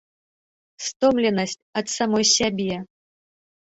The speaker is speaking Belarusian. Стомленасць ад самой сябе.